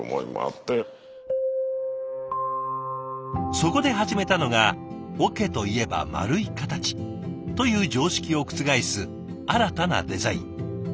そこで始めたのが「桶といえば円い形」という常識を覆す新たなデザイン。